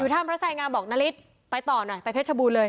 อยู่ท่านพระสัยงามบอกนฤทธิ์ไปต่อหน่อยไปเพชรชบูรณ์เลย